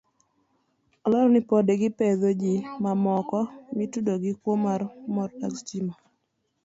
Olero ni pod gipedho ji mamoko maitudo gi kuo mag mor dag stima.